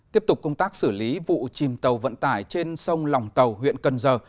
tiếp tục công tác xử lý vụ chìm tàu vận tải trên sông lòng tàu huyện cần giờ